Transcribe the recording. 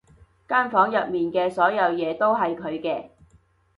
間房入面嘅所有嘢都係佢嘅